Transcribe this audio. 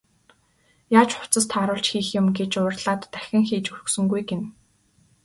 Яаж хувцас тааруулж хийх юм гэж уурлаад дахин хийж өгсөнгүй гэнэ.